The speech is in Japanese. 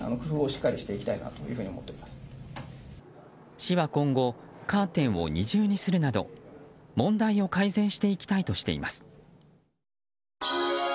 市は今後カーテンを二重にするなど問題を改善していきたいとしています。